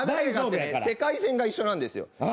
世界線が一緒なんですよ。